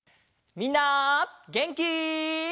みんなげんき？